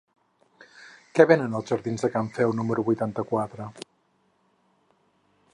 Què venen als jardins de Can Feu número vuitanta-quatre?